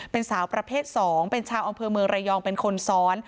เป็นสาวประเภท๒เป็นชาวอำเภอเมืองระยองเป็นคนซ้อน